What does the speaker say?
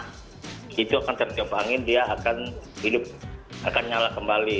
di tanah itu akan terjebak dia akan hidup akan nyala kembali